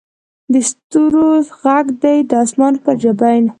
د ستورو ږغ دې د اسمان پر جبین